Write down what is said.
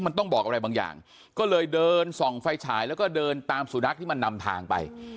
มันต้องบอกอะไรบางอย่างก็เลยเดินส่องไฟฉายแล้วก็เดินตามสุนัขที่มันนำทางไป